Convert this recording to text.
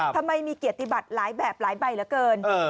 ทำไมมีเกียรติบัติหลายแบบหลายใบเหลือเกิน